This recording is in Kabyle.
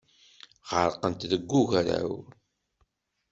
Ɣerqent deg ugaraw.